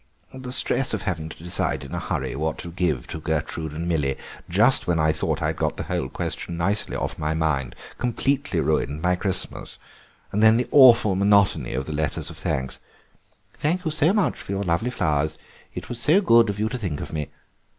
The stress of having to decide in a hurry what to give to Gertrude and Milly just when I thought I'd got the whole question nicely off my mind completely ruined my Christmas, and then the awful monotony of the letters of thanks: 'Thank you so much for your lovely flowers. It was so good of you to think of me.